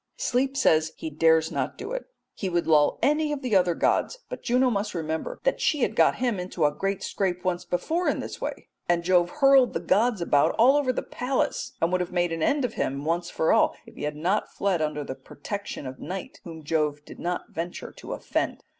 Sleep says he dares not do it. He would lull any of the other gods, but Juno must remember that she had got him into a great scrape once before in this way, and Jove hurled the gods about all over the palace, and would have made an end of him once for all, if he had not fled under the protection of Night, whom Jove did not venture to offend.